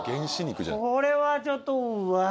これはちょっと。